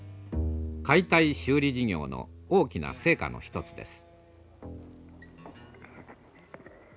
解体修理事業の大きな成果の一つです。